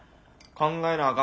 考えなあ